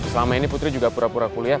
selama ini putri juga pura pura kuliah